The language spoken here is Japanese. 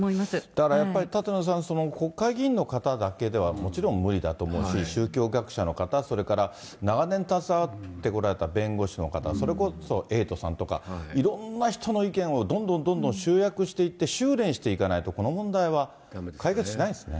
だからやっぱり、舘野さん、国会議員の方だけではもちろん無理だと思うし、宗教学者の方、それから長年携わってこられた弁護士の方、それこそエイトさんとか、いろんな人の意見をどんどんどんどん集約していって、収れんしていかないと、この問題は解決しないですね。